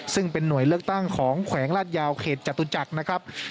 ซึ่งเป็นหน่วยเลือกตั้งของแขวงลาดยาวเขตจตุจักรนะครับ